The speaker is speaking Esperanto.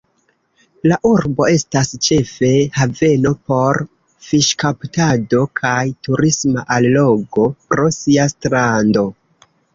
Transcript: La urbo estas ĉefe haveno por fiŝkaptado kaj turisma allogo pro sia strando.